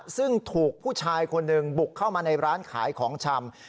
ซึ่งถูกผู้ชายคนหนึ่งบุกเข้ามาในร้านขายของชำ